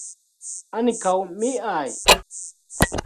Ankaŭ miaj?